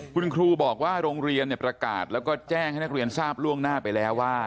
คุณครูบอกว่าโรงเรียนประกาศแล้วก็แจ้งให้นักเรียนทราบล่วงหน้าไปแล้วว่า